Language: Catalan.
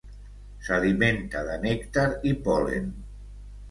S'alimenta de nèctar i pol·len.